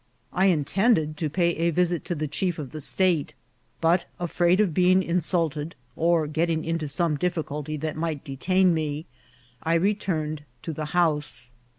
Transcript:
I intended to pay a visit to the chief of the state ; but, afraid of being insulted or getting into some difficulty that might detain me, I returned to the house.